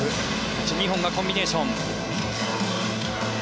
うち２本がコンビネーション。